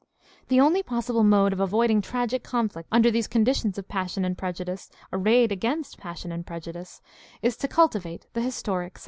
The only possible mode of avoiding tragic conflict under these conditions of passion and prejudice arrayed against passion and prejudice is to cultivate the historic sense.